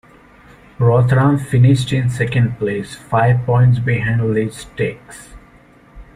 Rotherham finished in second place, five points behind Leeds Tykes.